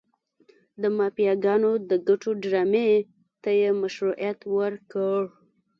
د مافیاګانو د ګټو ډرامې ته یې مشروعیت ورکړ.